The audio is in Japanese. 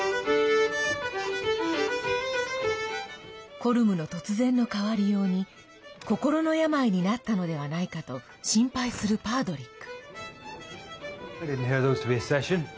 コルムの突然の変わりように心の病になったのではないかと心配するパードリック。